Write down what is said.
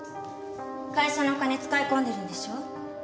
会社のお金使い込んでるんでしょ？